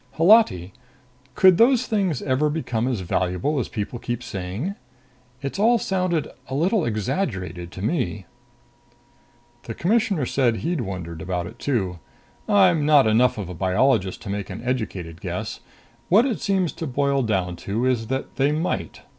"Holati, could those things ever become as valuable as people keep saying? It's all sounded a little exaggerated to me." The Commissioner said he'd wondered about it too. "I'm not enough of a biologist to make an educated guess. What it seems to boil down to is that they might.